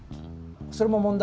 それも問題？